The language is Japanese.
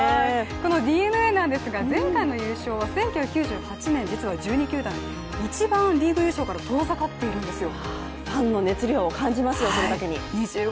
このＤｅＮＡなんですが、前回の優勝は１９９８年、実は１２球団で一番リーグ優勝から遠ざかっているんですよ。